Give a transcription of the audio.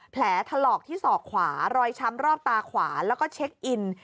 แผลถลอกที่ศอกขวารอยช้ำรอบตาขวาแล้วก็เช็คอิน